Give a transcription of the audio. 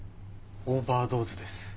オーバードーズです。